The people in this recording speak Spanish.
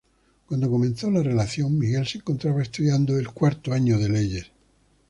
Cuando comenzó la relación, Miguel se encontraba estudiando el cuarto año de Leyes.